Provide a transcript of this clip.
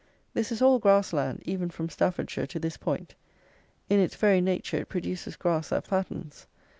This is all grass land, even from Staffordshire to this point. In its very nature it produces grass that fattens.